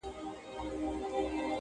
د ژوند له ټاله به لوېدلی یمه!